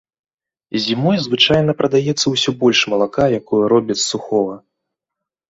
Зімой звычайна прадаецца ўсё больш малака, якое робяць з сухога.